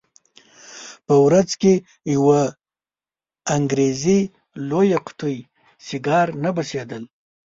په ورځ کې یوه انګریزي لویه قطي سیګار نه بسېدل.